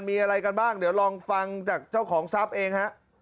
มีอะไรกันบ้างเดี๋ยวลองฟังจากเจ้าของทรัพย์เองฮะ